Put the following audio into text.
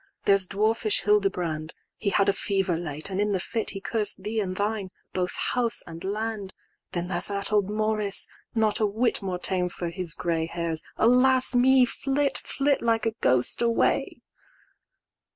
there's dwarfish Hildebrand;"He had a fever late, and in the fit"He cursed thee and thine, both house and land:"Then there 's that old Lord Maurice, not a whit"More tame for his gray hairs—Alas me! flit!"Flit like a ghost away."